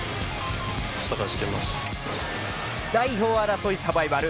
代表争いサバイバル